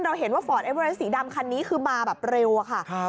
เราเห็นว่าฟอร์ดเอเวอเรสสีดำคันนี้คือมาแบบเร็วอะค่ะ